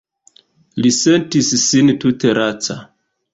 Li sentis sin tute laca.